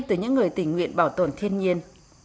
từ những người tình nguyện bảo tồn thiên nhiên